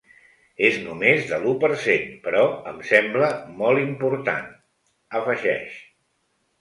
“És només de l’u per cent, però em sembla molt important”, afegeix.